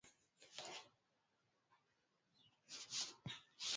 Kuachana naye ooh mimi najuta